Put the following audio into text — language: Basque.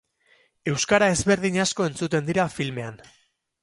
Euskara ezberdin asko entzuten dira filmean.